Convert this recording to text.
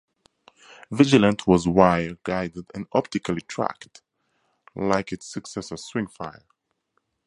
Vigilant was wire-guided and optically tracked, like its successor Swingfire.